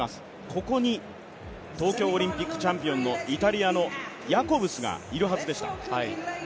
ここに東京オリンピックチャンピオンのヤコブスがいるはずでした。